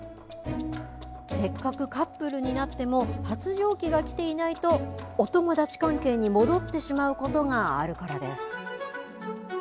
せっかくカップルになっても発情期がきていないとお友達関係に戻ってしまうことがあるからです。